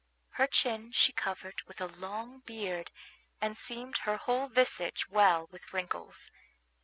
Her chin she covered with a long beard, and seamed her whole visage well with wrinkles.